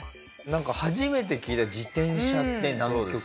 なんか初めて聞いた自転車って南極。